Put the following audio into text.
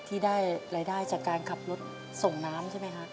ที่ได้รายได้จากการขับรถส่งน้ำใช่ไหมฮะ